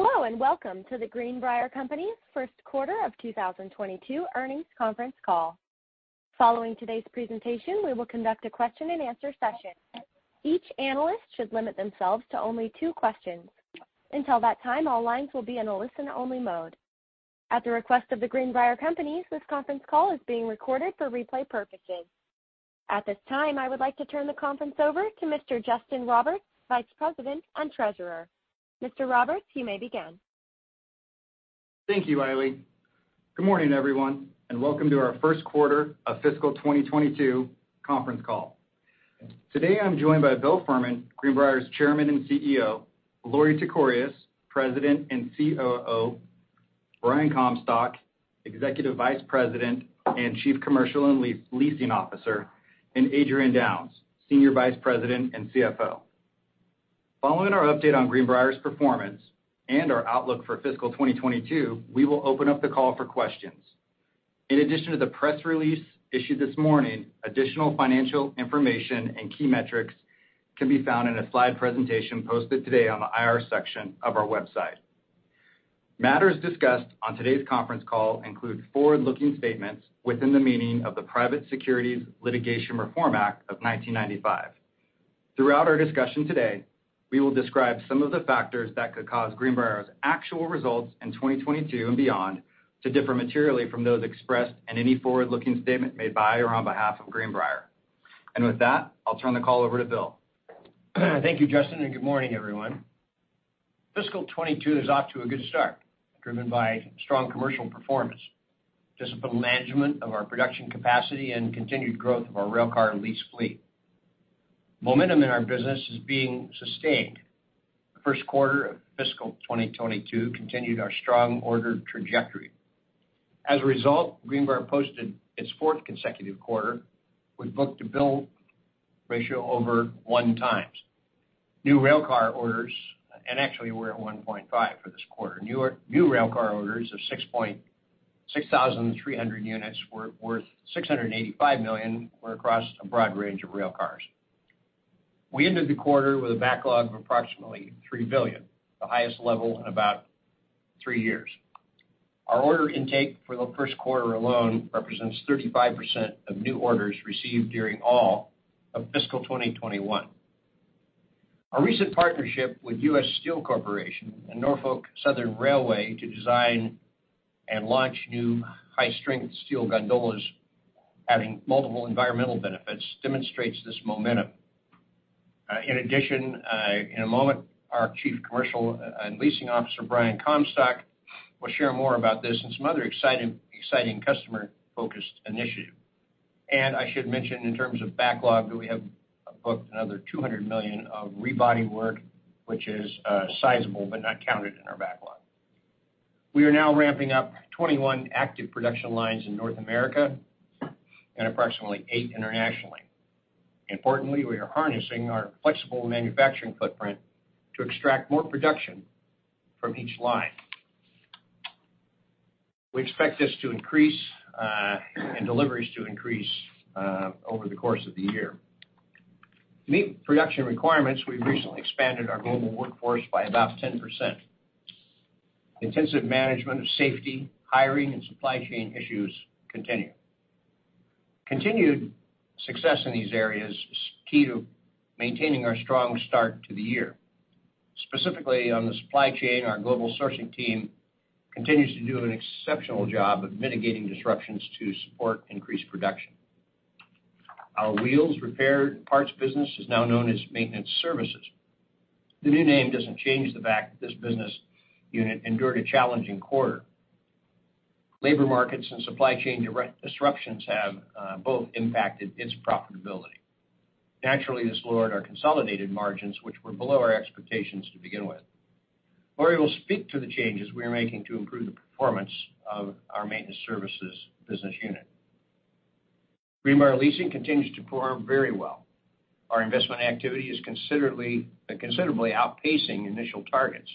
Hello, and welcome to The Greenbrier Companies first quarter of 2022 earnings conference call. Following today's presentation, we will conduct a question-and-answer session. Each analyst should limit themselves to only two questions. Until that time, all lines will be in a listen-only mode. At the request of The Greenbrier Companies, this conference call is being recorded for replay purposes. At this time, I would like to turn the conference over to Mr. Justin Roberts, Vice President and Treasurer. Mr. Roberts, you may begin. Thank you, Riley. Good morning, everyone, and welcome to our first quarter of fiscal 2022 conference call. Today, I'm joined by Bill Furman, Greenbrier's Chairman and CEO, Lorie Tekorius, President and COO, Brian Comstock, Executive Vice President and Chief Commercial and Leasing Officer, and Adrian Downes, Senior Vice President and CFO. Following our update on Greenbrier's performance and our outlook for fiscal 2022, we will open up the call for questions. In addition to the press release issued this morning, additional financial information and key metrics can be found in a slide presentation posted today on the IR section of our website. Matters discussed on today's conference call include forward-looking statements within the meaning of the Private Securities Litigation Reform Act of 1995. Throughout our discussion today, we will describe some of the factors that could cause Greenbrier's actual results in 2022 and beyond to differ materially from those expressed in any forward-looking statement made by or on behalf of Greenbrier. With that, I'll turn the call over to Bill. Thank you, Justin, and good morning, everyone. Fiscal 2022 is off to a good start, driven by strong commercial performance, disciplined management of our production capacity and continued growth of our railcar lease fleet. Momentum in our business is being sustained. The first quarter of fiscal 2022 continued our strong ordered trajectory. As a result, Greenbrier posted its fourth consecutive quarter with book-to-bill ratio over 1x. Actually we're at 1.5x for this quarter. New railcar orders of 6,300 units were worth $685 million across a broad range of railcars. We ended the quarter with a backlog of approximately $3 billion, the highest level in about three years. Our order intake for the first quarter alone represents 35% of new orders received during all of fiscal 2021. Our recent partnership with U.S. Steel Corporation and Norfolk Southern Railway to design and launch new high-strength steel gondolas having multiple environmental benefits demonstrates this momentum. In addition, in a moment, our Chief Commercial and Leasing Officer, Brian Comstock, will share more about this and some other exciting customer-focused initiative. I should mention, in terms of backlog, that we have booked another $200 million of rebody work, which is sizable but not counted in our backlog. We are now ramping up 21 active production lines in North America and approximately eight internationally. Importantly, we are harnessing our flexible Manufacturing footprint to extract more production from each line. We expect this to increase and deliveries to increase over the course of the year. To meet production requirements, we've recently expanded our global workforce by about 10%. Intensive management of safety, hiring, and supply chain issues continue. Continued success in these areas is key to maintaining our strong start to the year. Specifically, on the supply chain, our Global Sourcing team continues to do an exceptional job of mitigating disruptions to support increased production. Our Wheels, Repair & Parts business is now known as Maintenance Services. The new name doesn't change the fact that this business unit endured a challenging quarter. Labor markets and supply chain disruptions have both impacted its profitability. Naturally, this lowered our consolidated margins, which were below our expectations to begin with. Lorie will speak to the changes we are making to improve the performance of our Maintenance Services business unit. Greenbrier Leasing continues to perform very well. Our investment activity is considerably outpacing initial targets.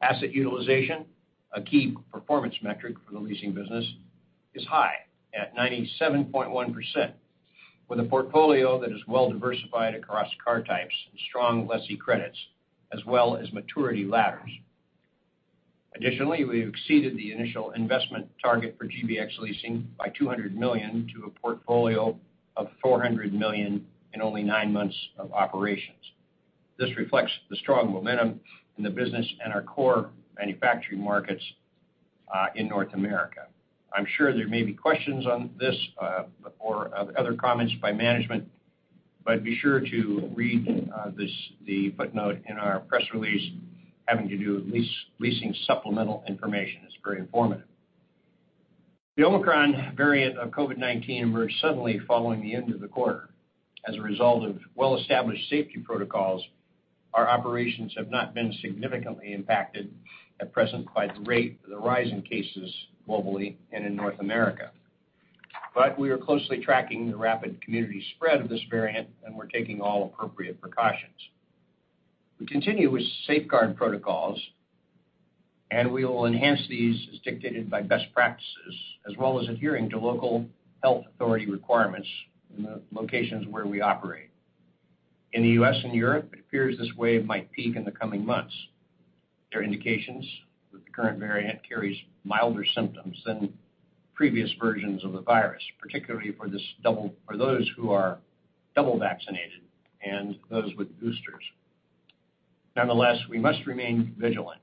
Asset utilization, a key performance metric for the Leasing business, is high at 97.1%, with a portfolio that is well diversified across car types and strong lessee credits, as well as maturity ladders. Additionally, we've exceeded the initial investment target for GBX Leasing by $200 million to a portfolio of $400 million in only nine months of operations. This reflects the strong momentum in the business and our core Manufacturing markets in North America. I'm sure there may be questions on this, or other comments by management, but be sure to read the footnote in our press release having to do with Leasing supplemental information. It's very informative. The Omicron variant of COVID-19 emerged suddenly following the end of the quarter. As a result of well-established safety protocols, our operations have not been significantly impacted at present by the rate of the rise in cases globally and in North America. We are closely tracking the rapid community spread of this variant, and we're taking all appropriate precautions. We continue with safeguard protocols, and we will enhance these as dictated by best practices, as well as adhering to local health authority requirements in the locations where we operate. In the U.S. and Europe, it appears this wave might peak in the coming months. There are indications that the current variant carries milder symptoms than previous versions of the virus, particularly for those who are double vaccinated and those with boosters. Nonetheless, we must remain vigilant.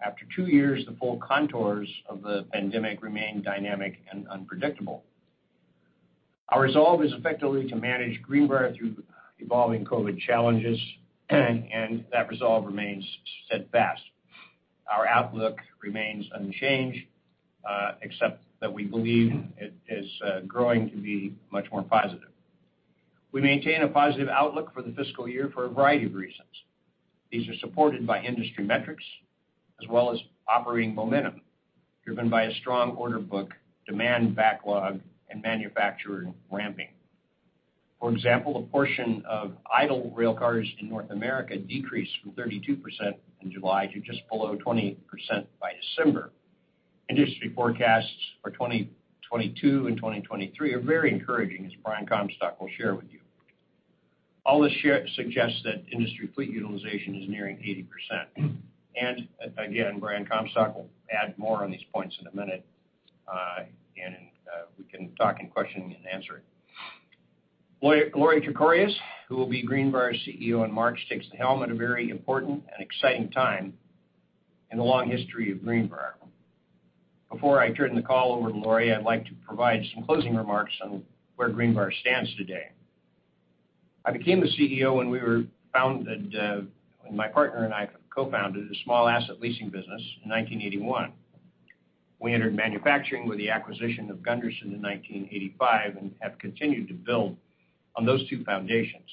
After two years, the full contours of the pandemic remain dynamic and unpredictable. Our resolve is effectively to manage Greenbrier through evolving COVID challenges, and that resolve remains steadfast. Our outlook remains unchanged, except that we believe it is growing to be much more positive. We maintain a positive outlook for the fiscal year for a variety of reasons. These are supported by industry metrics as well as operating momentum, driven by a strong order book, demand backlog, and manufacturer ramping. For example, the portion of idle railcars in North America decreased from 32% in July to just below 20% by December. Industry forecasts for 2022 and 2023 are very encouraging, as Brian Comstock will share with you. All this share suggests that industry fleet utilization is nearing 80%. Again, Brian Comstock will add more on these points in a minute, and we can talk in question and answer. Lorie Tekorius, who will be Greenbrier's CEO in March, takes the helm at a very important and exciting time in the long history of Greenbrier. Before I turn the call over to Lorie, I'd like to provide some closing remarks on where Greenbrier stands today. I became the CEO when we were founded, when my partner and I co-founded a small asset leasing business in 1981. We entered Manu facturing with the acquisition of Gunderson in 1985 and have continued to build on those two foundations.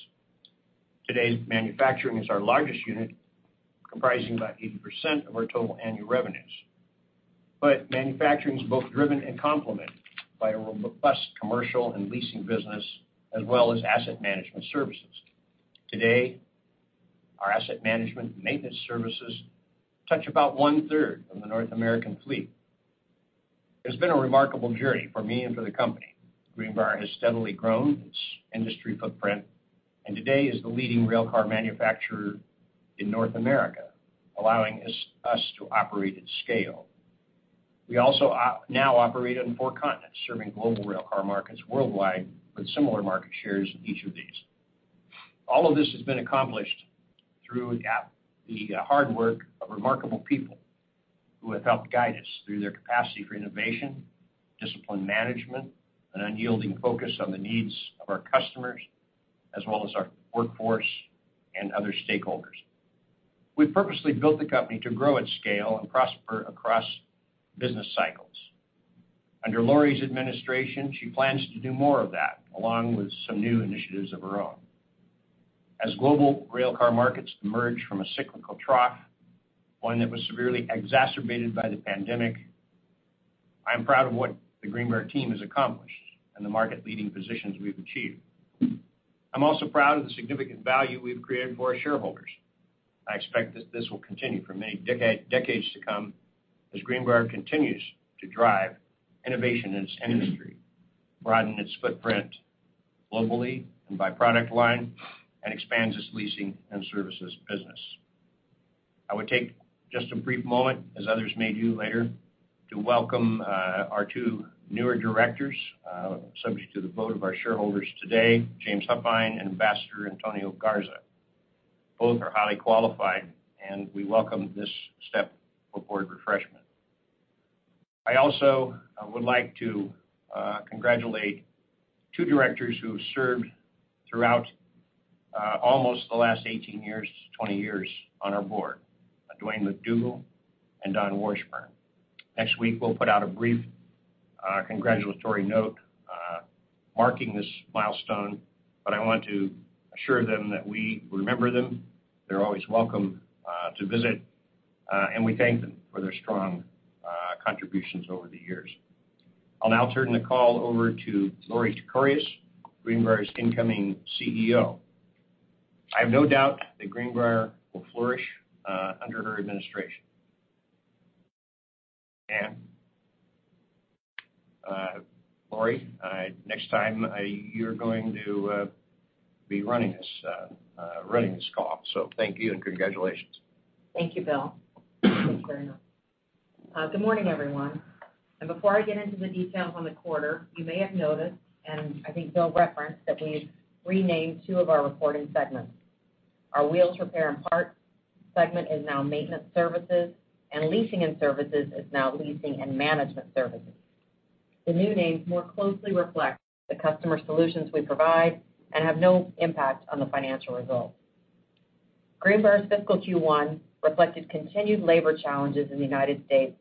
Today, Manufacturing is our largest unit, comprising about 80% of our total annual revenues. Manufacturing is both driven and complemented by a robust Commercial and Leasing business as well as Asset Management services. Today, our Asset Management and Maintenance Services touch about one-third of the North American fleet. It's been a remarkable journey for me and for the company. Greenbrier has steadily grown its industry footprint, and today is the leading railcar manufacturer in North America, allowing us to operate at scale. We also now operate on four continents, serving global railcar markets worldwide with similar market shares in each of these. All of this has been accomplished through the hard work of remarkable people who have helped guide us through their capacity for innovation, disciplined management, an unyielding focus on the needs of our customers, as well as our workforce and other stakeholders. We've purposely built the company to grow at scale and prosper across business cycles. Under Lorie's administration, she plans to do more of that, along with some new initiatives of her own. As global railcar markets emerge from a cyclical trough, one that was severely exacerbated by the pandemic, I am proud of what the Greenbrier team has accomplished and the market-leading positions we've achieved. I'm also proud of the significant value we've created for our shareholders. I expect this will continue for many decades to come as Greenbrier continues to drive innovation in its industry, broaden its footprint globally and by product line, and expands its Leasing & Services business. I would take just a brief moment, as others may do later, to welcome our two newer directors, subject to the vote of our shareholders today, James Huffines and Ambassador Antonio Garza. Both are highly qualified, and we welcome this step toward refreshment. I also would like to congratulate two directors who have served throughout almost the last 18 years to 20 years on our board, Duane McDougall and Don Washburn. Next week, we'll put out a brief congratulatory note marking this milestone, but I want to assure them that we remember them, they're always welcome to visit, and we thank them for their strong contributions over the years. I'll now turn the call over to Lorie Tekorius, Greenbrier's incoming CEO. I have no doubt that Greenbrier will flourish under her administration. Lorie, next time you're going to be running this call. Thank you and congratulations. Thank you, Bill. Thanks very much. Good morning, everyone. Before I get into the details on the quarter, you may have noticed, and I think Bill referenced, that we've renamed two of our reporting segments. Our Wheels, Repair & Parts segment is now Maintenance Services, and Leasing & Services is now Leasing & Management Services. The new names more closely reflect the customer solutions we provide and have no impact on the financial results. Greenbrier's fiscal Q1 reflected continued labor challenges in the United States,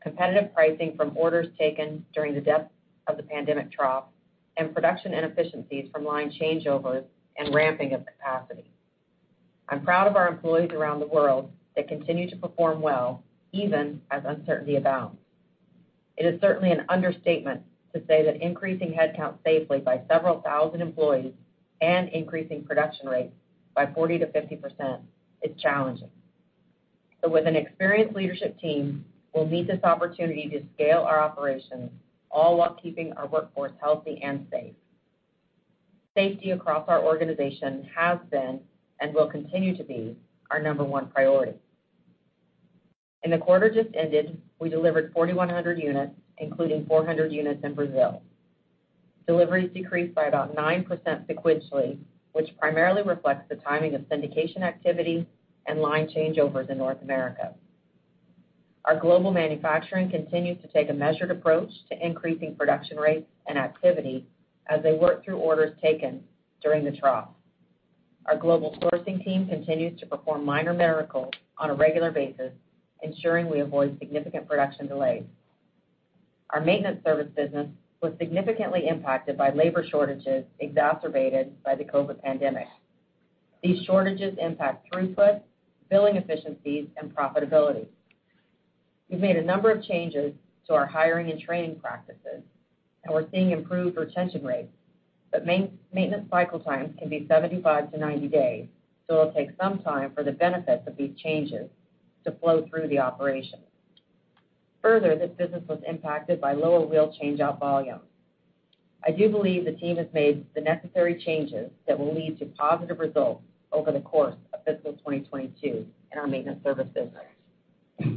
competitive pricing from orders taken during the depth of the pandemic trough, and production inefficiencies from line changeovers and ramping of capacity. I'm proud of our employees around the world that continue to perform well, even as uncertainty abounds. It is certainly an understatement to say that increasing headcount safely by several thousand employees and increasing production rates by 40%-50% is challenging. With an experienced leadership team, we'll meet this opportunity to scale our operations all while keeping our workforce healthy and safe. Safety across our organization has been and will continue to be our number one priority. In the quarter just ended, we delivered 4,100 units, including 400 units in Brazil. Deliveries decreased by about 9% sequentially, which primarily reflects the timing of syndication activity and line changeovers in North America. Our Global Manufacturing continues to take a measured approach to increasing production rates and activity as they work through orders taken during the trough. Our Global Sourcing team continues to perform minor miracles on a regular basis, ensuring we avoid significant production delays. Our Maintenance Services business was significantly impacted by labor shortages exacerbated by the COVID pandemic. These shortages impact throughput, billing efficiencies, and profitability. We've made a number of changes to our hiring and training practices, and we're seeing improved retention rates, but maintenance cycle times can be 75-90 days, so it'll take some time for the benefits of these changes to flow through the operation. Further, this business was impacted by lower wheel change-out volume. I do believe the team has made the necessary changes that will lead to positive results over the course of fiscal 2022 in our Maintenance Services business.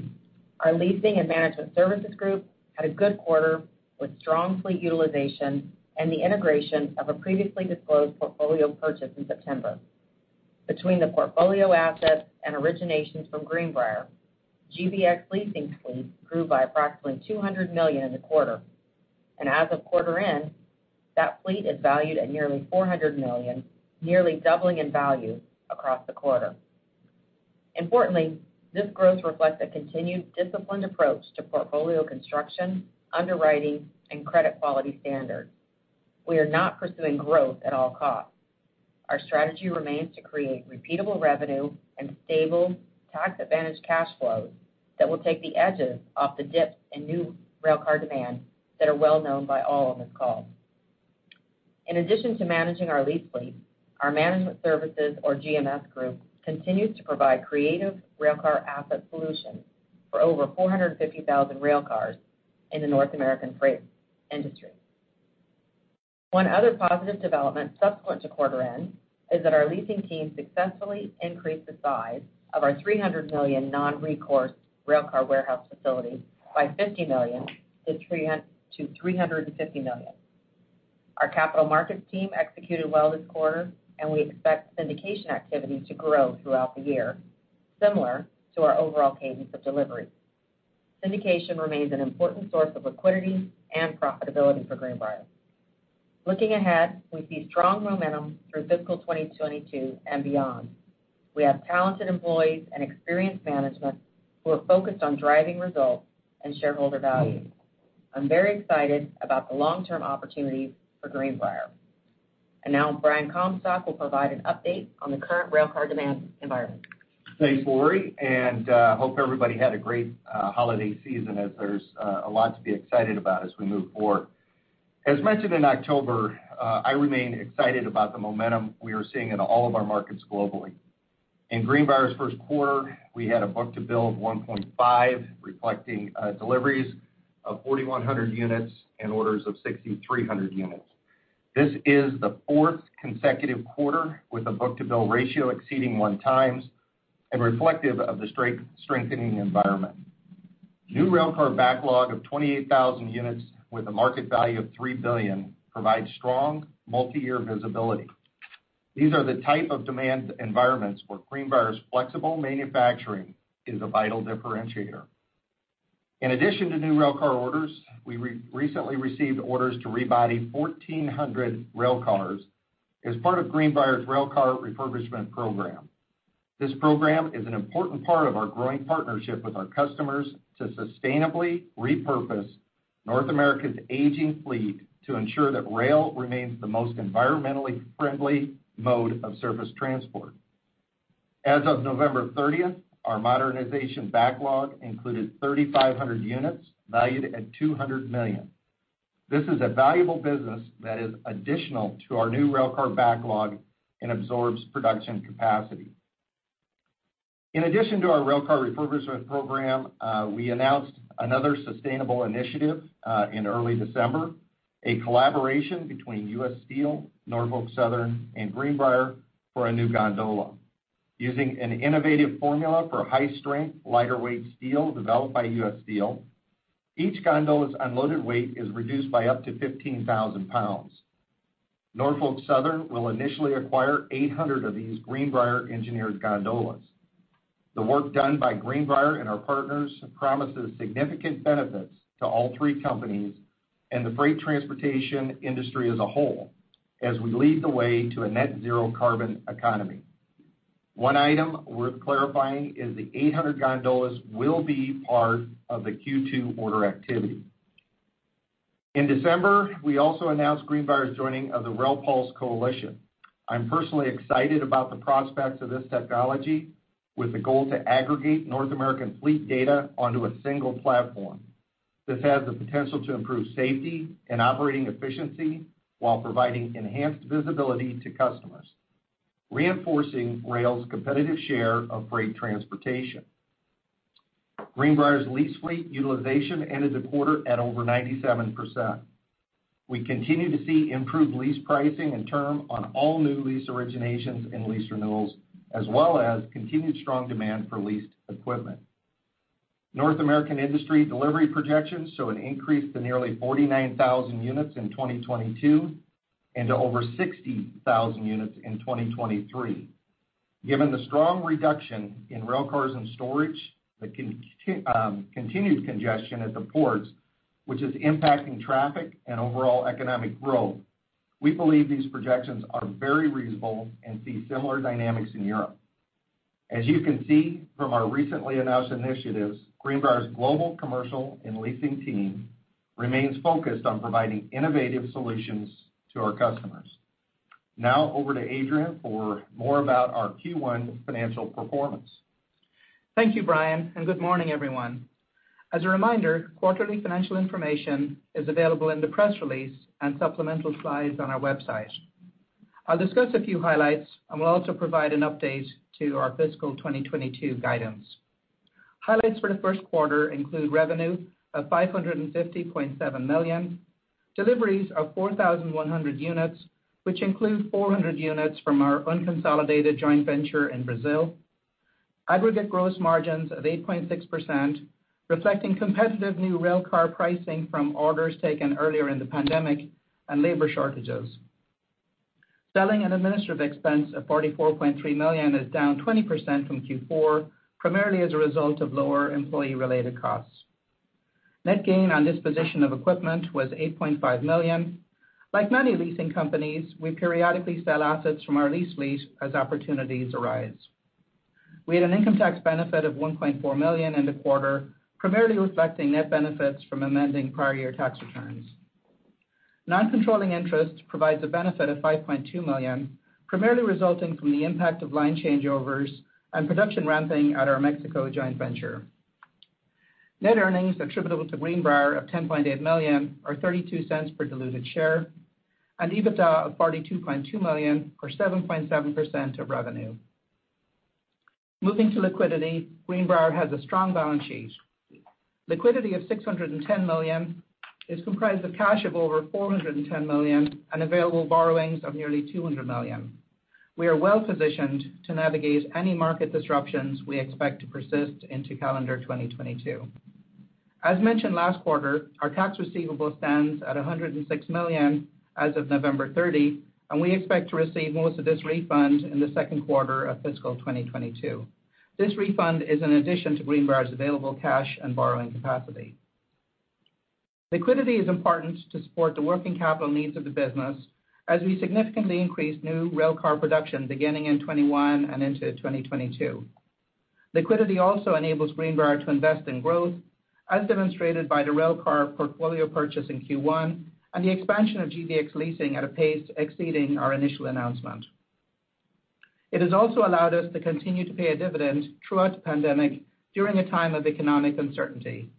Our Leasing & Management Services group had a good quarter with strong fleet utilization and the integration of a previously disclosed portfolio purchase in September. Between the portfolio assets and originations from Greenbrier, GBX Leasing's fleet grew by approximately $200 million in the quarter. As of quarter end, that fleet is valued at nearly $400 million, nearly doubling in value across the quarter. Importantly, this growth reflects a continued disciplined approach to portfolio construction, underwriting, and credit quality standards. We are not pursuing growth at all costs. Our strategy remains to create repeatable revenue and stable tax-advantaged cash flows that will take the edges off the dips in new railcar demand that are well-known by all on this call. In addition to managing our lease fleet, our management services or GMS group continues to provide creative railcar asset solutions for over 450,000 railcars in the North American freight industry. One other positive development subsequent to quarter end is that our Leasing team successfully increased the size of our $300 million non-recourse railcar warehouse facility by $50 million-$350 million. Our capital markets team executed well this quarter, and we expect syndication activity to grow throughout the year, similar to our overall cadence of delivery. Syndication remains an important source of liquidity and profitability for Greenbrier. Looking ahead, we see strong momentum through fiscal 2022 and beyond. We have talented employees and experienced management who are focused on driving results and shareholder value. I'm very excited about the long-term opportunities for Greenbrier. Now Brian Comstock will provide an update on the current railcar demand environment. Thanks, Lorie, and hope everybody had a great holiday season as there's a lot to be excited about as we move forward. As mentioned in October, I remain excited about the momentum we are seeing in all of our markets globally. In Greenbrier's first quarter, we had a book-to-bill of 1.5x, reflecting deliveries of 4,100 units and orders of 6,300 units. This is the fourth consecutive quarter with a book-to-bill ratio exceeding 1x and reflective of the strengthening environment. New railcar backlog of 28,000 units with a market value of $3 billion provides strong multiyear visibility. These are the type of demand environments where Greenbrier's flexible Manufacturing is a vital differentiator. In addition to new railcar orders, we recently received orders to rebody 1,400 railcars as part of Greenbrier's railcar refurbishment program. This program is an important part of our growing partnership with our customers to sustainably repurpose North America's aging fleet to ensure that rail remains the most environmentally friendly mode of surface transport. As of November 13th, our modernization backlog included 3,500 units valued at $200 million. This is a valuable business that is additional to our new railcar backlog and absorbs production capacity. In addition to our railcar refurbishment program, we announced another sustainable initiative in early December, a collaboration between U.S. Steel, Norfolk Southern, and Greenbrier for a new gondola. Using an innovative formula for high-strength, lighter weight steel developed by U.S. Steel, each gondola's unloaded weight is reduced by up to 15,000 lbs. Norfolk Southern will initially acquire 800 of these Greenbrier engineered gondolas. The work done by Greenbrier and our partners promises significant benefits to all three companies and the freight transportation industry as a whole as we lead the way to a net zero carbon economy. One item worth clarifying is the 800 gondolas will be part of the Q2 order activity. In December, we also announced Greenbrier's joining of the RailPulse coalition. I'm personally excited about the prospects of this technology with the goal to aggregate North American fleet data onto a single platform. This has the potential to improve safety and operating efficiency while providing enhanced visibility to customers, reinforcing rail's competitive share of freight transportation. Greenbrier's lease fleet utilization ended the quarter at over 97%. We continue to see improved lease pricing and term on all new lease originations and lease renewals, as well as continued strong demand for leased equipment. North American industry delivery projections show an increase to nearly 49,000 units in 2022 and to over 60,000 units in 2023. Given the strong reduction in railcars and storage, the continued congestion at the ports, which is impacting traffic and overall economic growth, we believe these projections are very reasonable and see similar dynamics in Europe. As you can see from our recently announced initiatives, Greenbrier's Global Commercial and Leasing team remains focused on providing innovative solutions to our customers. Now over to Adrian for more about our Q1 financial performance. Thank you, Brian, and good morning, everyone. As a reminder, quarterly financial information is available in the press release and supplemental slides on our website. I'll discuss a few highlights, and will also provide an update to our fiscal 2022 guidance. Highlights for the first quarter include revenue of $550.7 million, deliveries of 4,100 units, which include 400 units from our unconsolidated joint venture in Brazil. Aggregate gross margins of 8.6%, reflecting competitive new railcar pricing from orders taken earlier in the pandemic and labor shortages. Selling and administrative expense of $44.3 million is down 20% from Q4, primarily as a result of lower employee-related costs. Net gain on disposition of equipment was $8.5 million. Like many leasing companies, we periodically sell assets from our lease fleet as opportunities arise. We had an income tax benefit of $1.4 million in the quarter, primarily reflecting net benefits from amending prior year tax returns. Non-controlling interest provides a benefit of $5.2 million, primarily resulting from the impact of line changeovers and production ramping at our Mexico joint venture. Net earnings attributable to Greenbrier of $10.8 million are $0.32 per diluted share, and EBITDA of $42.2 million or 7.7% of revenue. Moving to liquidity, Greenbrier has a strong balance sheet. Liquidity of $610 million is comprised of cash of over $410 million and available borrowings of nearly $200 million. We are well-positioned to navigate any market disruptions we expect to persist into calendar 2022. As mentioned last quarter, our tax receivable stands at $106 million as of November 30, and we expect to receive most of this refund in the second quarter of fiscal 2022. This refund is an addition to Greenbrier's available cash and borrowing capacity. Liquidity is important to support the working capital needs of the business as we significantly increase new railcar production beginning in 2021 and into 2022. Liquidity also enables Greenbrier to invest in growth, as demonstrated by the railcar portfolio purchase in Q1 and the expansion of GBX Leasing at a pace exceeding our initial announcement. It has also allowed us to continue to pay a dividend throughout the pandemic during a time of economic uncertainty.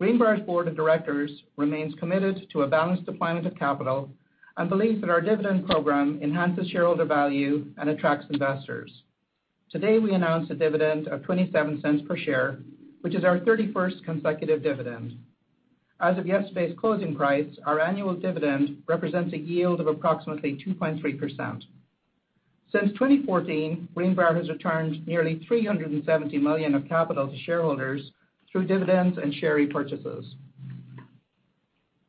Greenbrier's board of directors remains committed to a balanced deployment of capital and believes that our dividend program enhances shareholder value and attracts investors. Today, we announced a dividend of $0.27 per share, which is our 31st consecutive dividend. As of yesterday's closing price, our annual dividend represents a yield of approximately 2.3%. Since 2014, Greenbrier has returned nearly $370 million of capital to shareholders through dividends and share repurchases.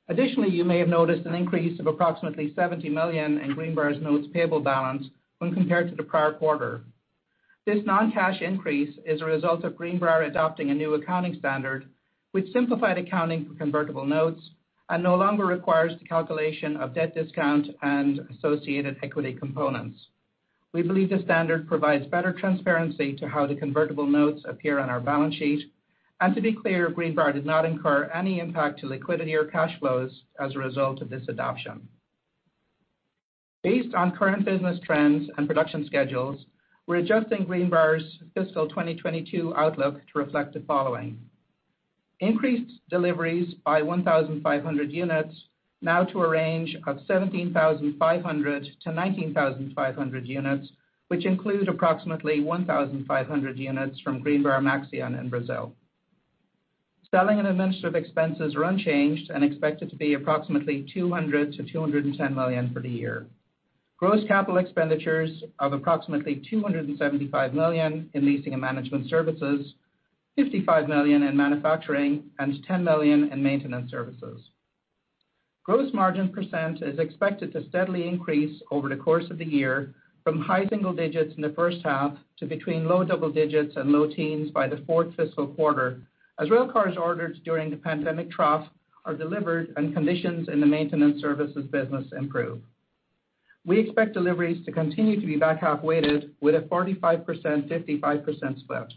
Additionally, you may have noticed an increase of approximately $70 million in Greenbrier's notes payable balance when compared to the prior quarter. This non-cash increase is a result of Greenbrier adopting a new accounting standard which simplified accounting for convertible notes and no longer requires the calculation of debt discount and associated equity components. We believe the standard provides better transparency to how the convertible notes appear on our balance sheet. To be clear, Greenbrier did not incur any impact to liquidity or cash flows as a result of this adoption. Based on current business trends and production schedules, we're adjusting Greenbrier's fiscal 2022 outlook to reflect the following. Increased deliveries by 1,500 units now to a range of 17,500-19,500 units, which include approximately 1,500 units from Greenbrier-Maxion in Brazil. Selling and administrative expenses are unchanged and expected to be approximately $200 million-$210 million for the year. Gross capital expenditures of approximately $275 million in Leasing & Management Services, $55 million in Manufacturing and $10 million in Maintenance Services. Gross margin % is expected to steadily increase over the course of the year from high single digits in the first half to between low double digits and low teens by the fourth fiscal quarter as railcars ordered during the pandemic trough are delivered and conditions in the Maintenance Services business improve. We expect deliveries to continue to be back half weighted with a 45%, 55% split.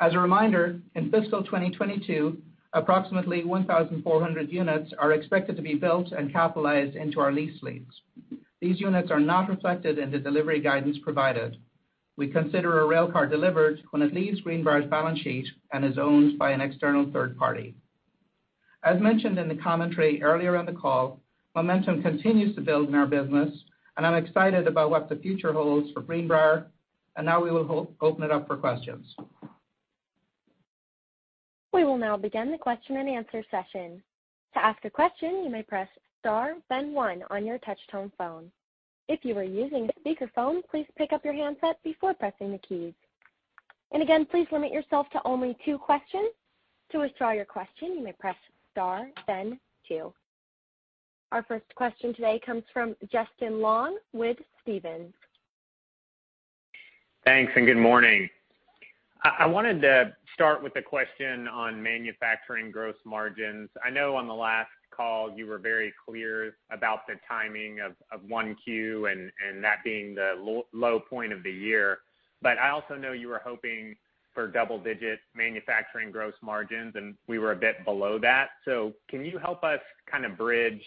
As a reminder, in fiscal 2022, approximately 1,400 units are expected to be built and capitalized into our lease fleets. These units are not reflected in the delivery guidance provided. We consider a railcar delivered when it leaves Greenbrier's balance sheet and is owned by an external third party. As mentioned in the commentary earlier in the call, momentum continues to build in our business, and I'm excited about what the future holds for Greenbrier. Now we will open it up for questions. We will now begin the question-and-answer session. To ask a question, you may press star then one on your touch-tone phone. If you are using speakerphone, please pick up your handset before pressing the keys. Again, please limit yourself to only two questions. To withdraw your question, you may press star then two. Our first question today comes from Justin Long with Stephens. Thanks, good morning. I wanted to start with a question on Manufacturing gross margins. I know on the last call, you were very clear about the timing of Q1 and that being the low point of the year. I also know you were hoping for double-digit Manuf acturing gross margins, and we were a bit below that. Can you help us kind of bridge,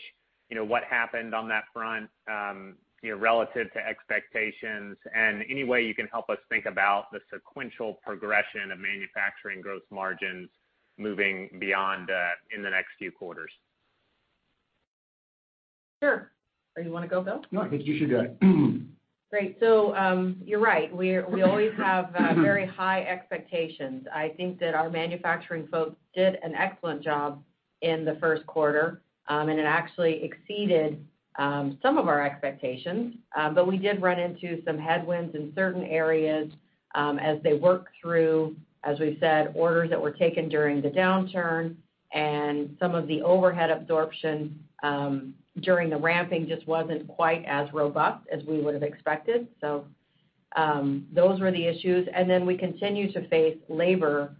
you know, what happened on that front, you know, relative to expectations? Any way you can help us think about the sequential progression of Manufa cturing gross margins moving beyond in the next few quarters? Sure. You wanna go, Bill? No, I think you should do it. Great. You're right. We always have very high expectations. I think that our Manufacturing folks did an excellent job in the first quarter, and it actually exceeded some of our expectations. We did run into some headwinds in certain areas as they work through, as we said, orders that were taken during the downturn and some of the overhead absorption during the ramping just wasn't quite as robust as we would have expected. Those were the issues. We continue to face labor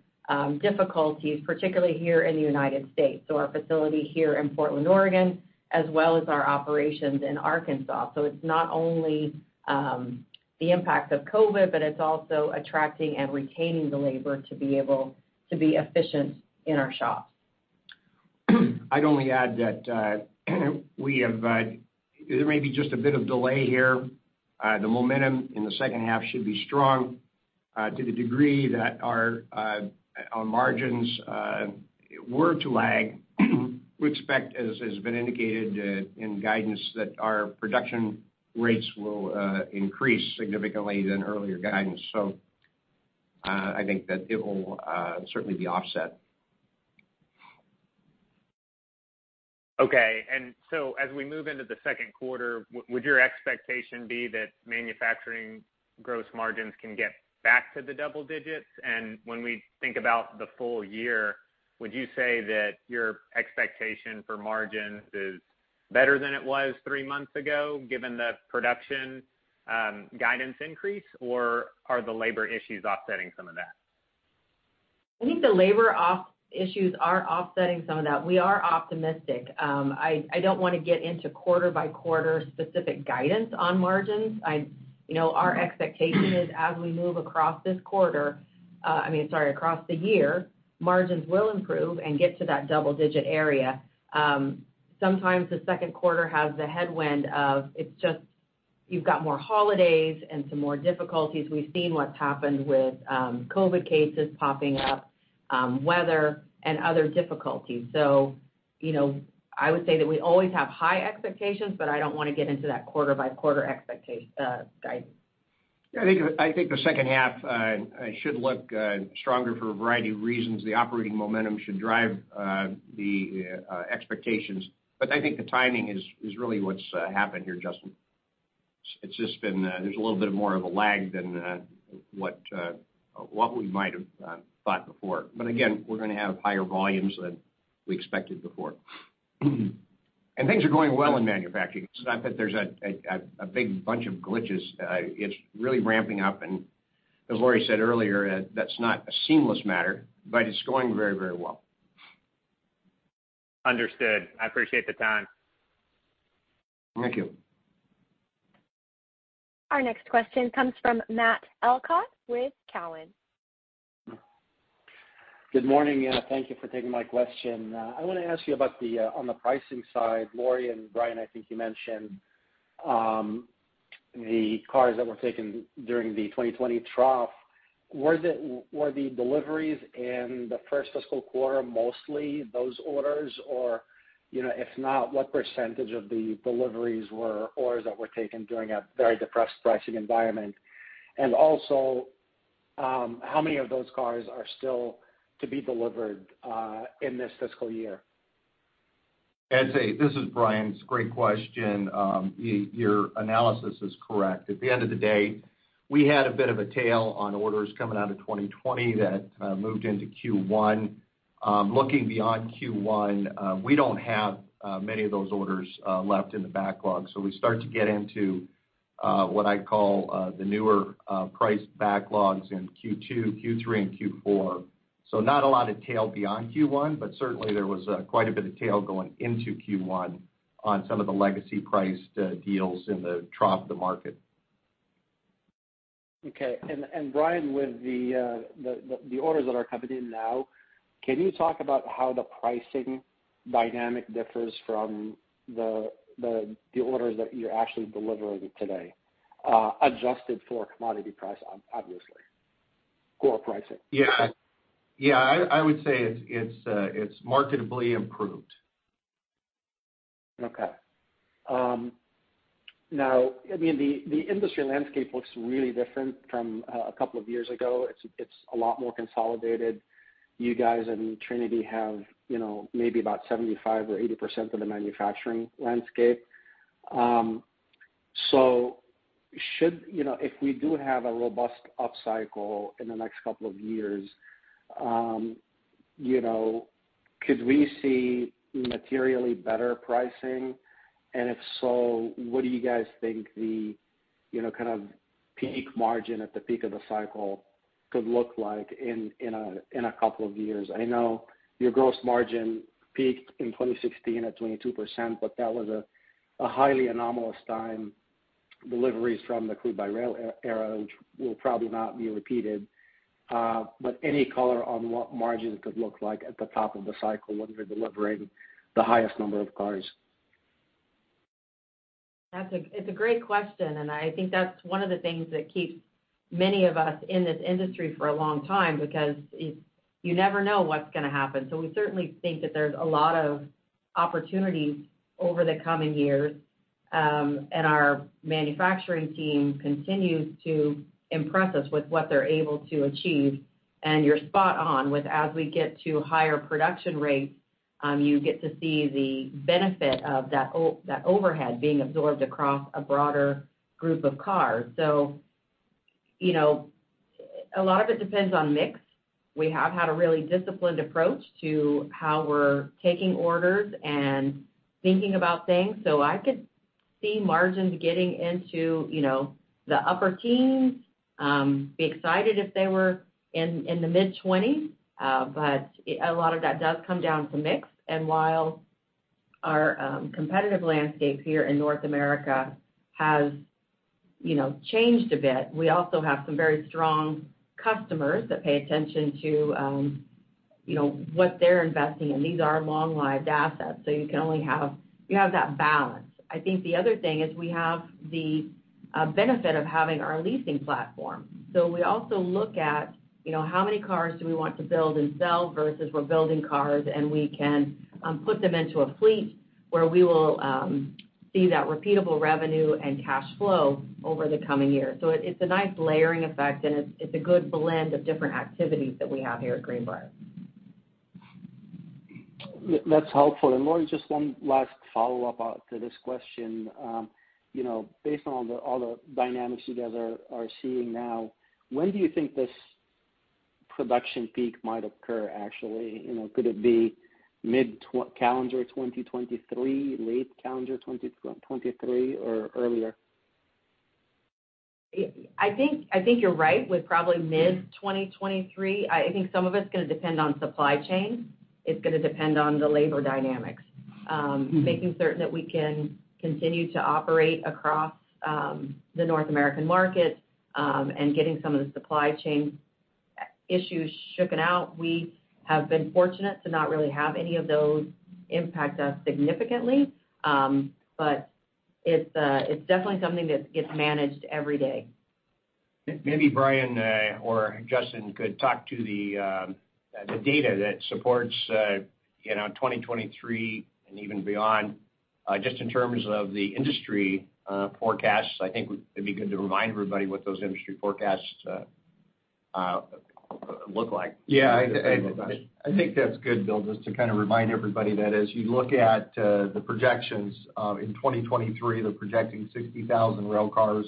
difficulties, particularly here in the United States, our facility here in Portland, Oregon, as well as our operations in Arkansas. It's not only the impact of COVID, but it's also attracting and retaining the labor to be able to be efficient in our shops. I'd only add that, we have, there may be just a bit of delay here. The momentum in the second half should be strong. To the degree that our margins were to lag, we expect, as has been indicated in guidance, that our production rates will increase significantly than earlier guidance. I think that it will certainly be offset. Okay. As we move into the second quarter, would your expectation be that Manufacturing gross margins can get back to the double digits? When we think about the full year, would you say that your expectation for margins is better than it was three months ago, given the production guidance increase, or are the labor issues offsetting some of that? I think the labor issues are offsetting some of that. We are optimistic. I don't wanna get into quarter-by-quarter specific guidance on margins. You know, our expectation is as we move across this quarter, I mean, sorry, across the year, margins will improve and get to that double-digit area. Sometimes the second quarter has the headwind of it's just you've got more holidays and some more difficulties. We've seen what's happened with, COVID cases popping up, weather, and other difficulties. You know, I would say that we always have high expectations, but I don't wanna get into that quarter-by-quarter guidance. Yeah, I think the second half should look stronger for a variety of reasons. The operating momentum should drive the expectations. But I think the timing is really what's happened here, Justin. It's just been, there's a little bit more of a lag than what we might have thought before. But again, we're gonna have higher volumes than we expected before. And things are going well in Manufacturing. It's not that there's a big bunch of glitches. It's really ramping up. And as Lorie said earlier, that's not a seamless matter, but it's going very, very well. Understood. I appreciate the time. Thank you. Our next question comes from Matt Elkott with Cowen. Good morning, and thank you for taking my question. I wanna ask you about the, on the pricing side, Lorie and Brian, I think you mentioned, the cars that were taken during the 2020 trough. Were the deliveries in the first fiscal quarter mostly those orders? Or, you know, if not, what percentage of the deliveries were orders that were taken during a very depressed pricing environment? Also, how many of those cars are still to be delivered in this fiscal year? [Elkott], this is Brian. It's a great question. Your analysis is correct. At the end of the day, we had a bit of a tail on orders coming out of 2020 that moved into Q1. Looking beyond Q1, we don't have many of those orders left in the backlog. We start to get into what I'd call the newer priced backlogs in Q2, Q3, and Q4. Not a lot of tail beyond Q1, but certainly there was quite a bit of tail going into Q1 on some of the legacy priced deals in the trough of the market. Okay. Brian, with the orders that are coming in now. Can you talk about how the pricing dynamic differs from the orders that you're actually delivering today, adjusted for commodity price, obviously, core pricing? Yeah, I would say it's markedly improved. Okay. Now, I mean, the industry landscape looks really different from a couple of years ago. It's a lot more consolidated. You guys and Trinity have, you know, maybe about 75%-80% of the Manufacturing landscape. So should, you know, if we do have a robust upcycle in the next couple of years, you know, could we see materially better pricing? And if so, what do you guys think the, you know, kind of peak margin at the peak of the cycle could look like in a couple of years? I know your gross margin peaked in 2016 at 22%, but that was a highly anomalous time, deliveries from the crude-by-rail era, which will probably not be repeated. Any color on what margins could look like at the top of the cycle when you're delivering the highest number of cars? It's a great question, and I think that's one of the things that keeps many of us in this industry for a long time because you never know what's gonna happen. We certainly think that there's a lot of opportunities over the coming years, and our Manufacturing team continues to impress us with what they're able to achieve. You're spot on with as we get to higher production rates, you get to see the benefit of that overhead being absorbed across a broader group of cars. You know, a lot of it depends on mix. We have had a really disciplined approach to how we're taking orders and thinking about things. I could see margins getting into, you know, the upper teens, be excited if they were in the mid-20s%. A lot of that does come down to mix. While our competitive landscape here in North America has, you know, changed a bit, we also have some very strong customers that pay attention to, you know, what they're investing in. These are long-lived assets, so you have that balance. I think the other thing is we have the benefit of having our Leasing platform. We also look at, you know, how many cars do we want to build and sell versus we're building cars, and we can put them into a fleet where we will see that repeatable revenue and cash flow over the coming year. It's a nice layering effect, and it's a good blend of different activities that we have here at Greenbrier. That's helpful. Lorie, just one last follow-up to this question. You know, based on all the dynamics you guys are seeing now, when do you think this production peak might occur actually? You know, could it be mid-2023, late calendar 2023 or earlier? I think you're right with probably mid-2023. I think some of it's gonna depend on supply chain. It's gonna depend on the labor dynamics, making certain that we can continue to operate across the North American market, and getting some of the supply chain issues shaken out. We have been fortunate to not really have any of those impact us significantly, but it's definitely something that gets managed every day. Maybe Brian or Justin could talk to the data that supports, you know, 2023 and even beyond, just in terms of the industry forecasts. I think it'd be good to remind everybody what those industry forecasts look like. Yeah. I think that's good, Bill, just to kind of remind everybody that as you look at the projections in 2023, they're projecting 60,000 rail cars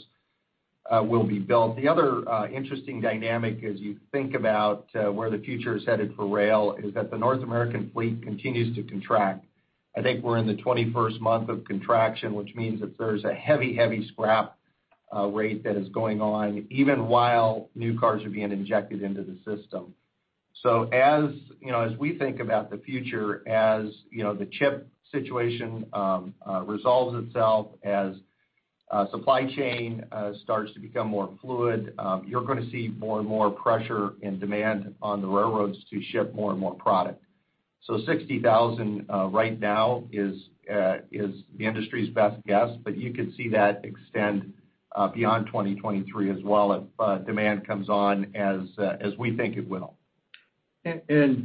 will be built. The other interesting dynamic as you think about where the future is headed for rail is that the North American fleet continues to contract. I think we're in the 21st month of contraction, which means that there's a heavy scrap rate that is going on, even while new cars are being injected into the system. You know, as we think about the future, you know, the chip situation resolves itself, as supply chain starts to become more fluid, you're gonna see more and more pressure and demand on the railroads to ship more and more product. 60,000 right now is the industry's best guess, but you could see that extend beyond 2023 as well if demand comes on as we think it will.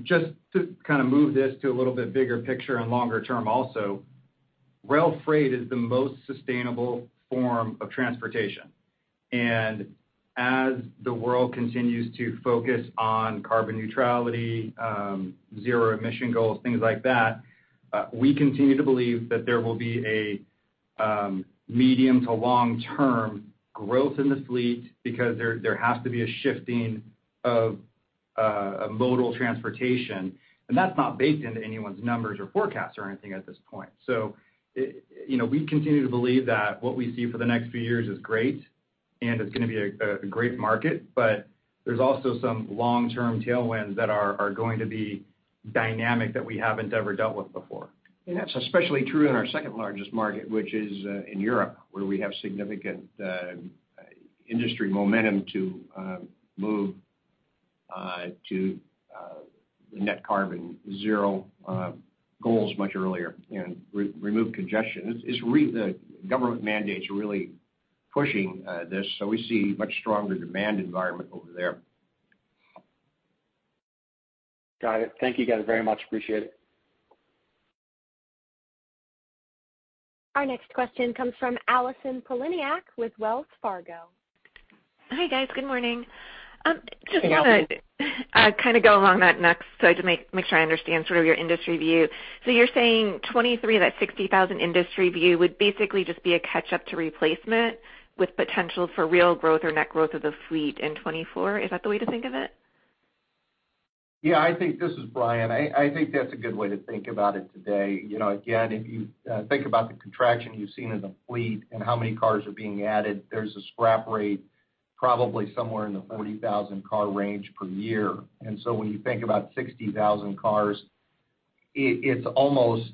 Just to kind of move this to a little bit bigger picture and longer term also, rail freight is the most sustainable form of transportation. As the world continues to focus on carbon neutrality, zero emission goals, things like that, we continue to believe that there will be a medium to long-term growth in this fleet because there has to be a shifting of a modal transportation. That's not baked into anyone's numbers or forecasts or anything at this point. You know, we continue to believe that what we see for the next few years is great, and it's gonna be a great market, but there's also some long-term tailwinds that are going to be dynamic that we haven't ever dealt with before. That's especially true in our second largest market, which is in Europe, where we have significant industry momentum to move to net carbon zero goals much earlier and remove congestion. It's really the government mandates are really pushing this, so we see much stronger demand environment over there. Got it. Thank you guys very much. Appreciate it. Our next question comes from Allison Poliniak-Cusic with Wells Fargo. Hi, guys. Good morning. Just to- Hey, Alison. Kind of go along with that next, I just make sure I understand sort of your industry view. You're saying 2023, that 60,000 industry view would basically just be a catch-up to replacement with potential for real growth or net growth of the fleet in 2024. Is that the way to think of it? Yeah, I think this is Brian. I think that's a good way to think about it today. You know, again, if you think about the contraction you've seen in the fleet and how many cars are being added, there's a scrap rate probably somewhere in the 40,000 car range per year. When you think about 60,000 cars, it's almost,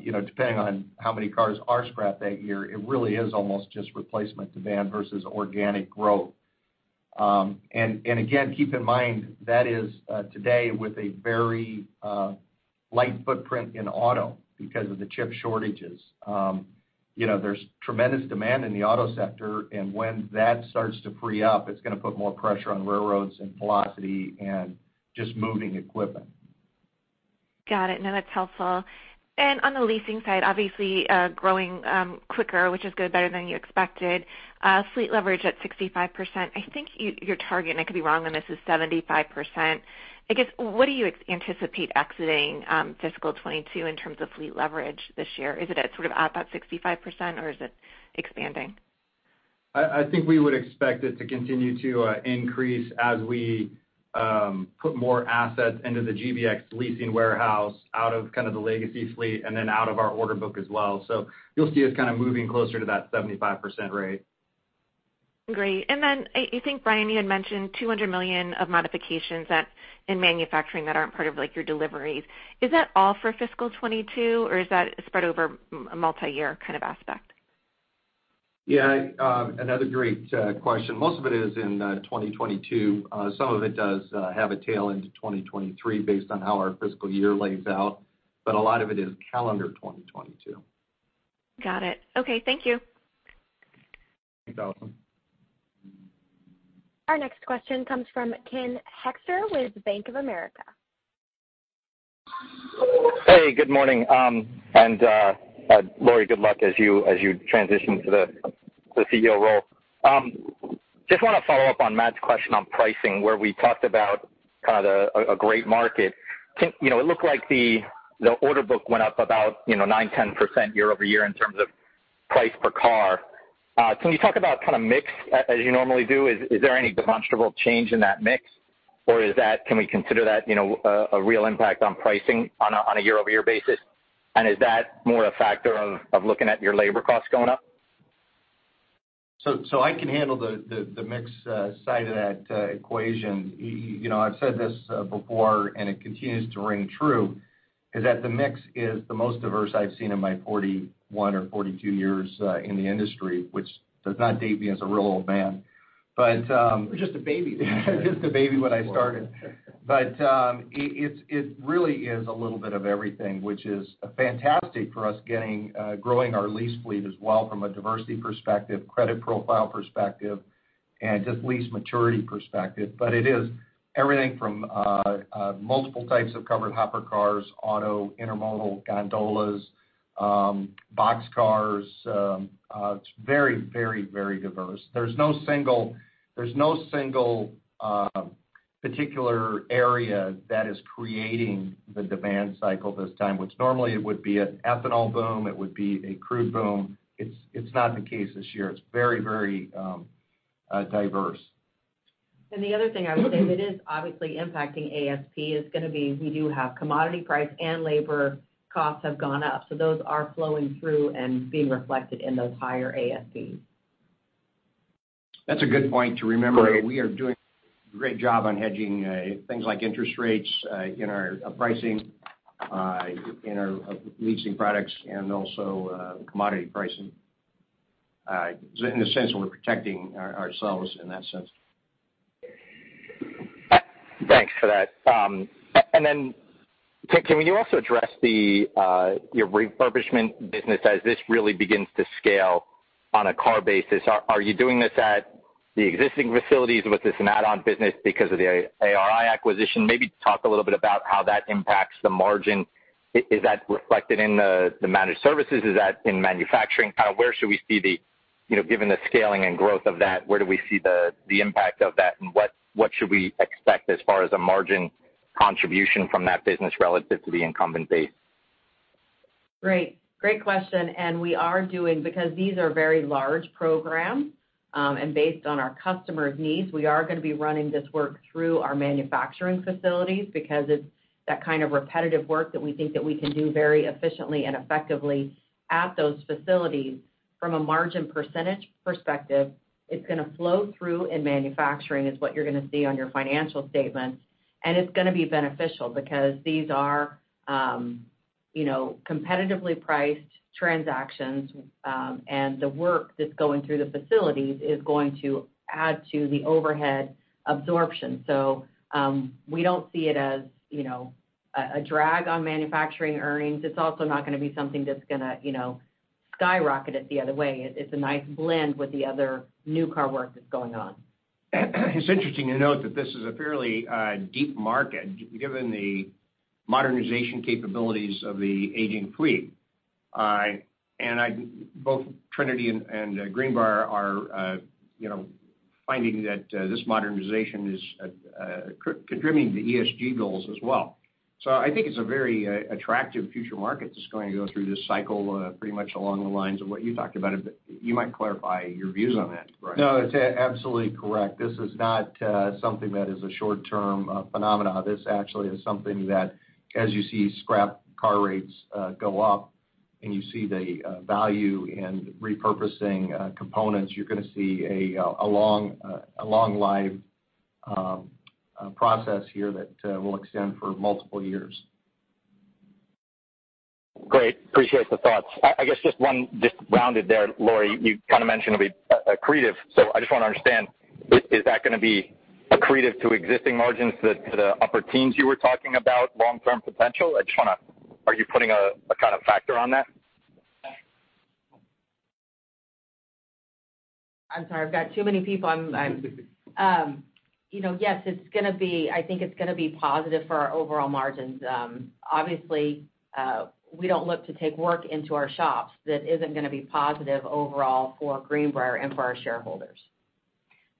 you know, depending on how many cars are scrapped that year, it really is almost just replacement demand versus organic growth. Again, keep in mind that is today with a very light footprint in auto because of the chip shortages. You know, there's tremendous demand in the auto sector, and when that starts to free up, it's gonna put more pressure on railroads and velocity and just moving equipment. Got it. No, that's helpful. On the Leasing side, obviously, growing quicker, which is good, better than you expected. Fleet leverage at 65%. I think you're targeting, I could be wrong on this, is 75%. I guess, what do you anticipate exiting fiscal 2022 in terms of fleet leverage this year? Is it at sort of at that 65%, or is it expanding? I think we would expect it to continue to increase as we put more assets into the GBX Leasing warehouse out of kind of the legacy fleet, and then out of our order book as well. You'll see us kind of moving closer to that 75% rate. Great. I think, Brian, you had mentioned $200 million of modifications in Manufacturing that aren't part of like your deliveries. Is that all for fiscal 2022, or is that spread over a multiyear kind of aspect? Yeah. Another great question. Most of it is in 2022. Some of it does have a tail into 2023 based on how our fiscal year lays out, but a lot of it is calendar 2022. Got it. Okay, thank you. Thanks, Allison. Our next question comes from Ken Hoexter with Bank of America. Hey, good morning, and Lorie, good luck as you transition to the CEO role. Just wanna follow up on Matt's question on pricing, where we talked about kind of a great market. Ken, you know, it looked like the order book went up about, you know, 9%-10% year-over-year in terms of price per car. Can you talk about kind of mix as you normally do? Is there any demonstrable change in that mix, or can we consider that, you know, a real impact on pricing on a year-over-year basis? And is that more a factor of looking at your labor costs going up? I can handle the mix side of that equation. You know, I've said this before, and it continues to ring true, is that the mix is the most diverse I've seen in my 41 or 42 years in the industry, which does not date me as a real old man. But You're just a baby. Just a baby when I started. It's really a little bit of everything, which is fantastic for us getting, growing our lease fleet as well from a diversity perspective, credit profile perspective, and just lease maturity perspective. It is everything from multiple types of covered hopper cars, auto, intermodal, gondolas, box cars. It's very diverse. There's no single particular area that is creating the demand cycle this time, which normally it would be an ethanol boom, it would be a crude boom. It's not the case this year. It's very diverse. The other thing I would say that is obviously impacting ASP is gonna be we do have commodity price and labor costs have gone up, so those are flowing through and being reflected in those higher ASPs. That's a good point to remember. We are doing a great job on hedging things like interest rates in our pricing in our Leasing products, and also commodity pricing. In a sense, we're protecting ourselves in that sense. Thanks for that. Ken, can you also address your refurbishment business as this really begins to scale on a car basis? Are you doing this at the existing facilities with this add-on business because of the ARI acquisition? Maybe talk a little bit about how that impacts the margin. Is that reflected in the maintenance services? Is that in? Kind of where should we see, you know, given the scaling and growth of that, where do we see the impact of that, and what should we expect as far as a margin contribution from that business relative to the incumbent base? Great. Great question, and we are doing because these are very large programs, and based on our customers' needs, we are gonna be running this work through our Manufacturing facilities because it's that kind of repetitive work that we think that we can do very efficiently and effectively at those facilities. From a margin percentage perspective, it's gonna flow through in Manufacturing is what you're gonna see on your financial statements, and it's gonna be beneficial because these are, you know, competitively priced transactions, and the work that's going through the facilities is going to add to the overhead absorption. We don't see it as, you know, a drag on Manufacturing earnings. It's also not gonna be something that's gonna, you know, skyrocket it the other way. It's a nice blend with the other new car work that's going on. It's interesting to note that this is a fairly deep market given the modernization capabilities of the aging fleet. Both Trinity and Greenbrier are, you know, finding that this modernization is contributing to ESG goals as well. I think it's a very attractive future market that's going to go through this cycle pretty much along the lines of what you talked about, but you might clarify your views on that, Brian. No, it's absolutely correct. This is not something that is a short-term phenomenon. This actually is something that as you see scrap car rates go up and you see the value in repurposing components, you're gonna see a long life process here that will extend for multiple years. Great. I appreciate the thoughts. I guess just one rounded there, Lorie, you kind of mentioned it'll be accretive. I just wanna understand, is that gonna be accretive to existing margins that to the upper teens you were talking about long-term potential? I just wanna. Are you putting a kind of factor on that? I'm sorry, I've got too many people. You know, yes, I think it's gonna be positive for our overall margins. Obviously, we don't look to take work into our shops that isn't gonna be positive overall for Greenbrier and for our shareholders.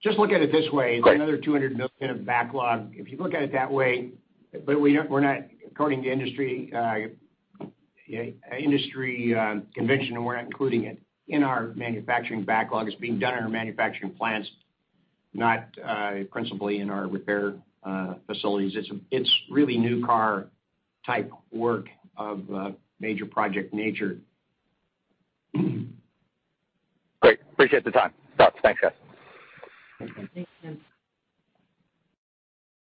Just look at it this way. Great. It's another $200 million of backlog. If you look at it that way, but we're not according to industry convention, and we're not including it in our Manufacturing backlog. It's being done in our Manufacturing plants, not principally in our repair facilities. It's really new car type work of a major project nature. Great. Appreciate the time. Thanks, guys. Thank you.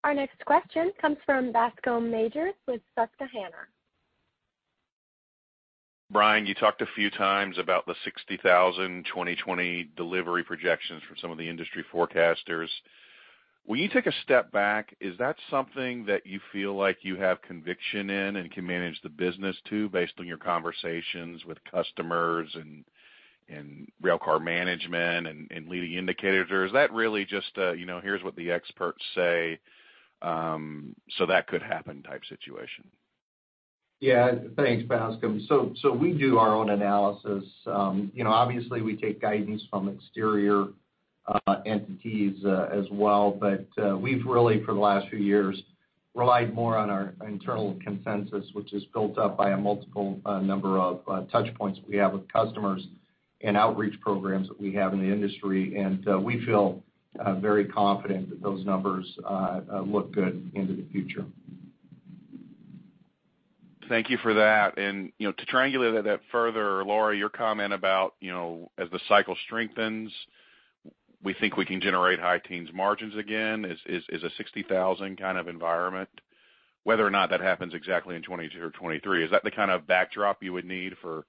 Our next question comes from Bascome Majors with Susquehanna. Brian, you talked a few times about the 60,000 2020 delivery projections from some of the industry forecasters. When you take a step back, is that something that you feel like you have conviction in and can manage the business to, based on your conversations with customers and rail car management and leading indicators? Or is that really just a, you know, here's what the experts say, so that could happen type situation? Yeah. Thanks, Bascome. We do our own analysis. You know, obviously, we take guidance from external entities as well, but we've really, for the last few years, relied more on our internal consensus, which is built up by a multitude of touch points we have with customers and outreach programs that we have in the industry. We feel very confident that those numbers look good into the future. Thank you for that. You know, to triangulate that further, Lorie, your comment about, you know, as the cycle strengthens, we think we can generate high teens margins again is a 60,000 kind of environment. Whether or not that happens exactly in 2022 or 2023, is that the kind of backdrop you would need for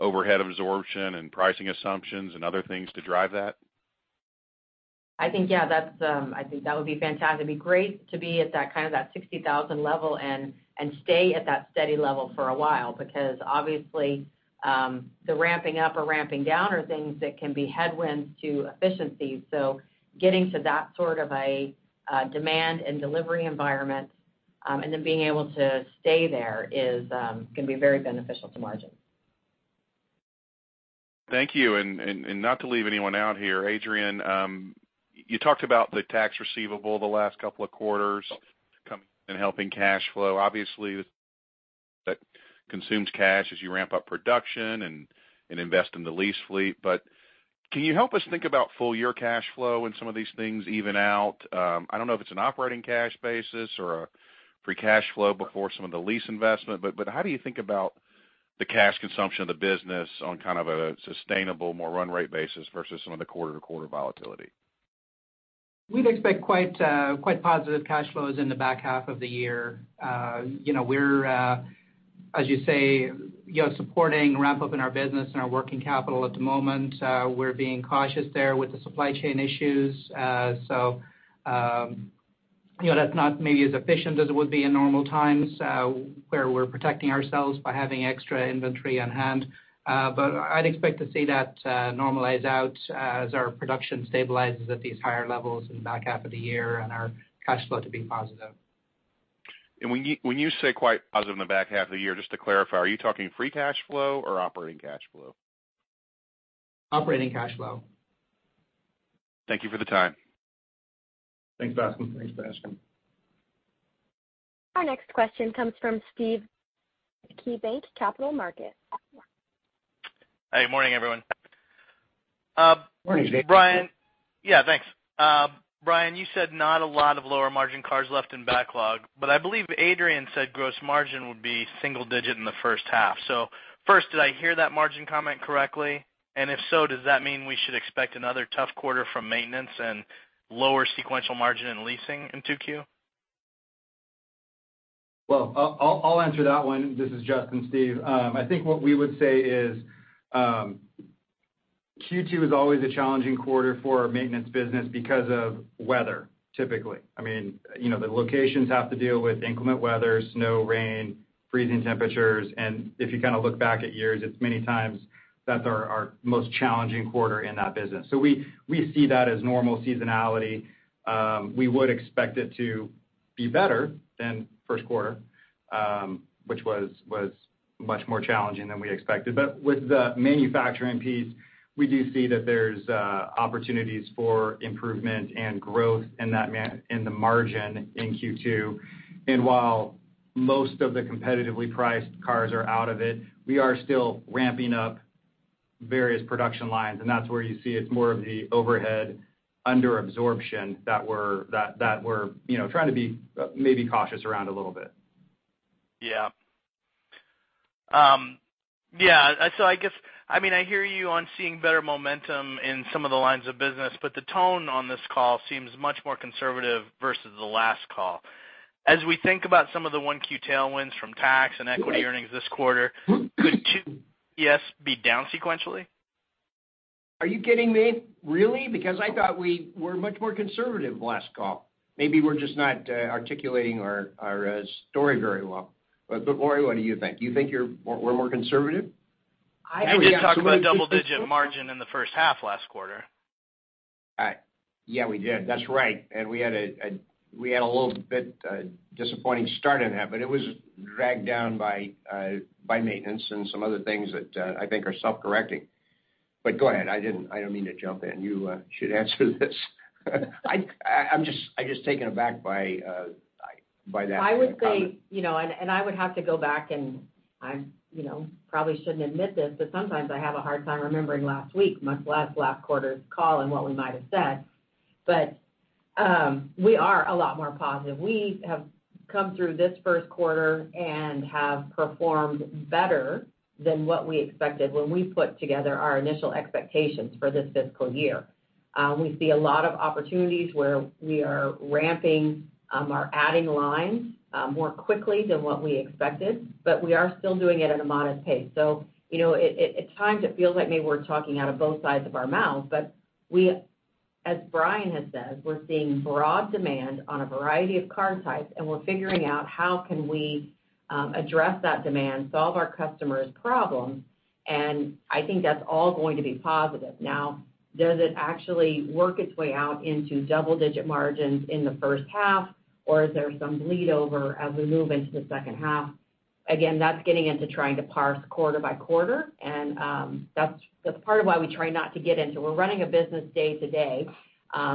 overhead absorption and pricing assumptions and other things to drive that? I think, yeah, that's, I think that would be fantastic. It'd be great to be at that kind of 60,000 level and stay at that steady level for a while because obviously, the ramping up or ramping down are things that can be headwinds to efficiency. Getting to that sort of a demand and delivery environment and then being able to stay there is gonna be very beneficial to margins. Thank you. Not to leave anyone out here, Adrian, you talked about the tax receivable the last couple of quarters coming in and helping cash flow. Obviously, that consumes cash as you ramp up production and invest in the lease fleet. Can you help us think about full-year cash flow and some of these things even out? I don't know if it's an operating cash basis or a free cash flow before some of the lease investment, but how do you think about the cash consumption of the business on kind of a sustainable, more run-rate basis versus some of the quarter-to-quarter volatility? We'd expect quite positive cash flows in the back half of the year. You know, we're as you say, you know, supporting ramp up in our business and our working capital at the moment. We're being cautious there with the supply chain issues. You know, that's not maybe as efficient as it would be in normal times, where we're protecting ourselves by having extra inventory on hand. I'd expect to see that normalize out as our production stabilizes at these higher levels in the back half of the year and our cash flow to be positive. When you say quite positive in the back half of the year, just to clarify, are you talking free cash flow or operating cash flow? Operating cash flow. Thank you for the time. Thanks, Bascome. Thanks, Bascome. Our next question comes from Steve, KeyBanc Capital Markets. Hey, good morning, everyone. Morning, Steve. Brian. Yeah, thanks. Brian, you said not a lot of lower margin cars left in backlog, but I believe Adrian said gross margin would be single digit in the first half. First, did I hear that margin comment correctly? And if so, does that mean we should expect another tough quarter from maintenance and lower sequential margin in Leasing in 2Q? Well, I'll answer that one. This is Justin, Steve. I think what we would say is, Q2 is always a challenging quarter for our maintenance business because of weather, typically. I mean, you know, the locations have to deal with inclement weather, snow, rain, freezing temperatures. If you kind of look back at years, it's many times that's our most challenging quarter in that business. We see that as normal seasonality. We would expect it to be better than first quarter, which was much more challenging than we expected. But with the Manufacturing piece, we do see that there's opportunities for improvement and growth in the margin in Q2. While most of the competitively priced cars are out of it, we are still ramping up various production lines, and that's where you see it's more of the overhead under absorption that we're, you know, trying to be maybe cautious around a little bit. Yeah. I guess, I mean, I hear you on seeing better momentum in some of the lines of business, but the tone on this call seems much more conservative versus the last call. As we think about some of the 1Q tailwinds from tax and equity earnings this quarter, could 2Q EPS be down sequentially? Are you kidding me? Really? Because I thought we were much more conservative last call. Maybe we're just not articulating our story very well. But Lorie, what do you think? Do you think we're more conservative? I did talk about double-digit margin in the first half last quarter. All right. Yeah, we did. That's right. We had a little bit disappointing start in that, but it was dragged down by maintenance and some other things that I think are self-correcting. Go ahead. I don't mean to jump in. You should answer this. I'm just taken aback by that comment. I would say, you know, and I would have to go back and, you know, probably shouldn't admit this, but sometimes I have a hard time remembering last week, much less last quarter's call and what we might have said. We are a lot more positive. We have come through this first quarter and have performed better than what we expected when we put together our initial expectations for this fiscal year. We see a lot of opportunities where we are ramping or adding lines more quickly than what we expected, but we are still doing it at a modest pace. You know, at times it feels like maybe we're talking out of both sides of our mouth, but we, as Brian has said, we're seeing broad demand on a variety of car types, and we're figuring out how can we address that demand, solve our customers' problems, and I think that's all going to be positive. Now, does it actually work its way out into double-digit margins in the first half, or is there some bleed over as we move into the second half? Again, that's getting into trying to parse quarter by quarter, and that's part of why we try not to get into. We're running a business day to day.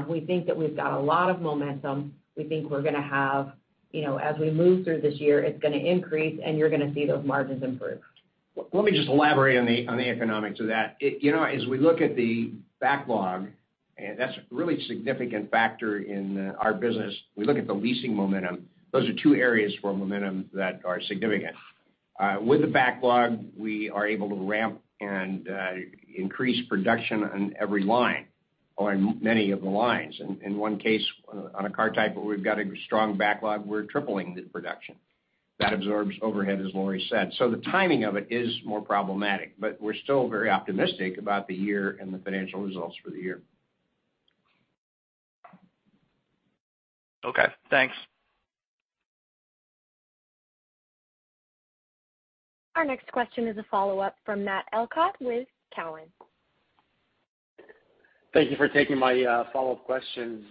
We think that we've got a lot of momentum. We think we're gonna have, you know, as we move through this year, it's gonna increase and you're gonna see those margins improve. Let me just elaborate on the economics of that. It, you know, as we look at the backlog, and that's a really significant factor in our business, we look at the Leasing momentum, those are two areas for momentum that are significant. With the backlog, we are able to ramp and increase production on every line or many of the lines. In one case on a car type where we've got a strong backlog, we're tripling the production. That absorbs overhead, as Lorie said. The timing of it is more problematic, but we're still very optimistic about the year and the financial results for the year. Okay, thanks. Our next question is a follow-up from Matt Elkott with Cowen. Thank you for taking my follow-up questions.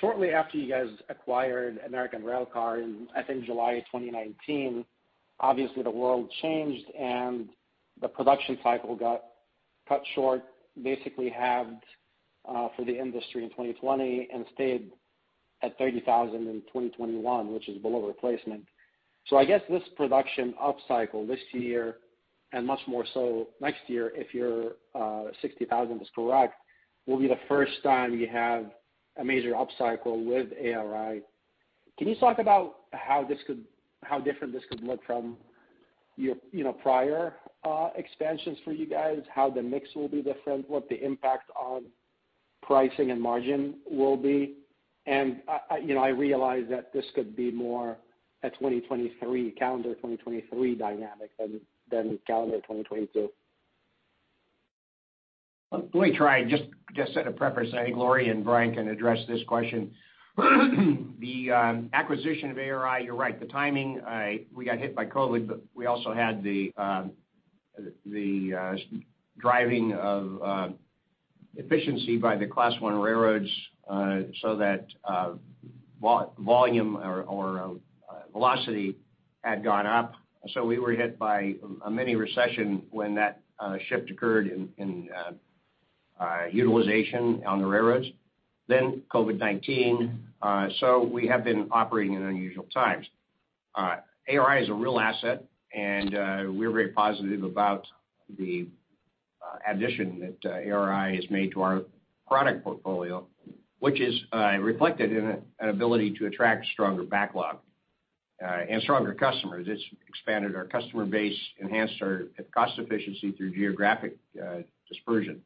Shortly after you guys acquired American Railcar in, I think July 2019, obviously the world changed and the production cycle got cut short, basically halved, for the industry in 2020 and stayed at 30,000 in 2021, which is below replacement. I guess this production upcycle this year and much more so next year, if your 60,000 is correct, will be the first time you have a major upcycle with ARI. Can you talk about how different this could look from your, you know, prior expansions for you guys, how the mix will be different, what the impact on pricing and margin will be? You know, I realize that this could be more a 2023, calendar 2023 dynamic than calendar 2022. Let me try. Just to preface, I think Lorie and Brian can address this question. The acquisition of ARI, you're right. The timing, we got hit by COVID-19, but we also had the driving of efficiency by the Class I railroads, so that volume or velocity had gone up. We were hit by a mini recession when that shift occurred in utilization on the railroads. COVID-19. We have been operating in unusual times. ARI is a real asset, and we're very positive about the addition that ARI has made to our product portfolio, which is reflected in an ability to attract stronger backlog and stronger customers. It's expanded our customer base, enhanced our cost efficiency through geographic dispersion.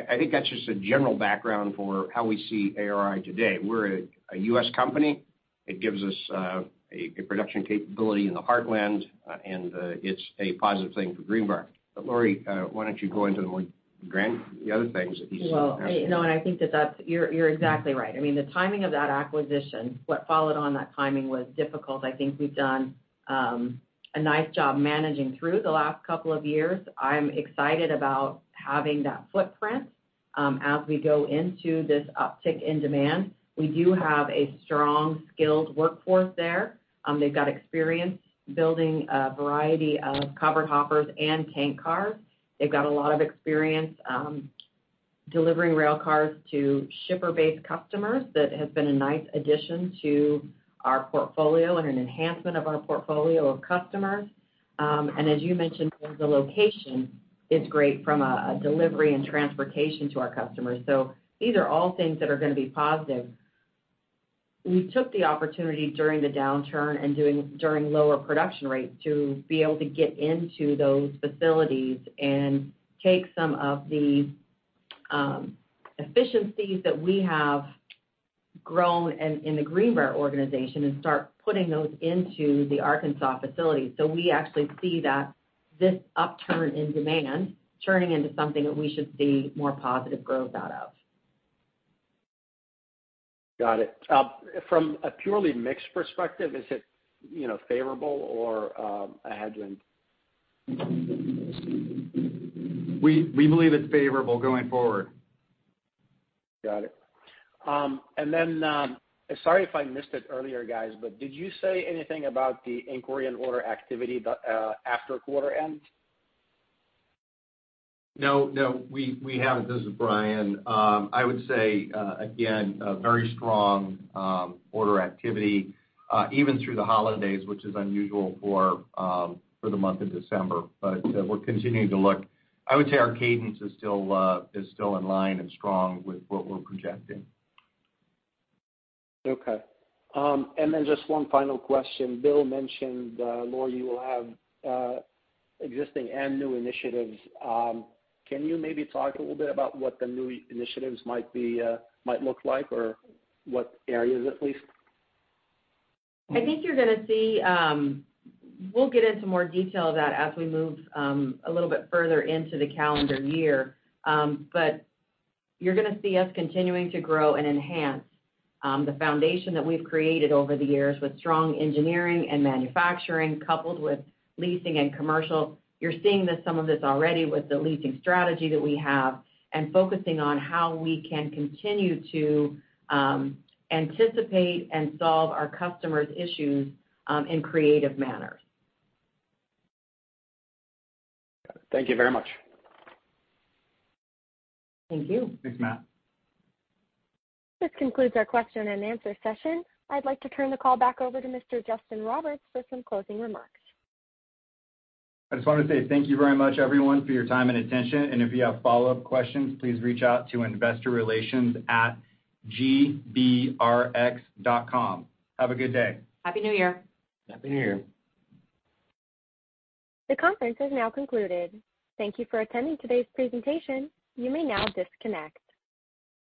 I think that's just a general background for how we see ARI today. We're a U.S. company. It gives us a good production capability in the heartland, and it's a positive thing for Greenbrier. Lorie, why don't you go into the other things that he said. Well, no. I think that's. You're exactly right. I mean, the timing of that acquisition, what followed on that timing was difficult. I think we've done a nice job managing through the last couple of years. I'm excited about having that footprint as we go into this uptick in demand. We do have a strong, skilled workforce there. They've got experience building a variety of covered hoppers and tank cars. They've got a lot of experience delivering rail cars to shipper-based customers that has been a nice addition to our portfolio and an enhancement of our portfolio of customers. As you mentioned, the location is great from a delivery and transportation to our customers. These are all things that are gonna be positive. We took the opportunity during the downturn and during lower production rates to be able to get into those facilities and take some of the efficiencies that we have grown in the Greenbrier organization and start putting those into the Arkansas facility. We actually see that this upturn in demand turning into something that we should see more positive growth out of. Got it. From a purely mixed perspective, is it, you know, favorable or a headwind? We believe it's favorable going forward. Got it. Sorry if I missed it earlier, guys, but did you say anything about the inquiry and order activity after quarter end? No, we haven't. This is Brian. I would say, again, a very strong order activity even through the holidays, which is unusual for the month of December. We're continuing to look. I would say our cadence is still in line and strong with what we're projecting. Okay. Just one final question. Bill mentioned, Lorie, you will have existing and new initiatives. Can you maybe talk a little bit about what the new initiatives might be, might look like or what areas at least? I think you're gonna see. We'll get into more detail of that as we move a little bit further into the calendar year. You're gonna see us continuing to grow and enhance the foundation that we've created over the years with strong Engineering and Manufacturing coupled with Leasing and Commercial. You're seeing this, some of this already with the Leasing strategy that we have and focusing on how we can continue to anticipate and solve our customers' issues in creative manners. Thank you very much. Thank you. Thanks, Matt. This concludes our question and answer session. I'd like to turn the call back over to Mr. Justin Roberts for some closing remarks. I just wanna say thank you very much everyone for your time and attention. If you have follow-up questions, please reach out to investorrelations@gbrx.com. Have a good day. Happy New Year. Happy New Year. The conference has now concluded. Thank you for attending today's presentation. You may now disconnect.